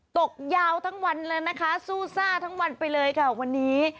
ตกยาวทั้งวันเลยนะคะสู้ซ่าทั้งวันไปเลยค่ะวันนี้